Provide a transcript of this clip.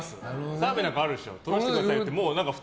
澤部なんかはあるでしょ。